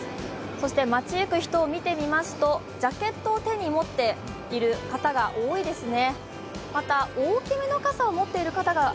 そして街行く人を見てみますとジャケットを手にしている方が多いですね。